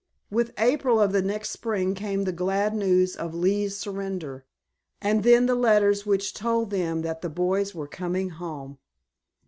With April of the next spring came the glad news of Lee's surrender, and then the letters which told them that the boys were coming home.